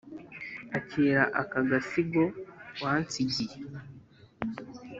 Akira aka gasigo wansigiye